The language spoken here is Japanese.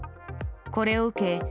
これを受け